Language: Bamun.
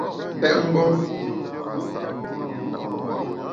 Pèt mgbom !